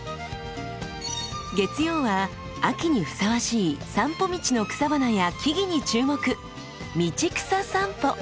月曜は秋にふさわしい散歩道の草花や木々に注目「道草さんぽ」。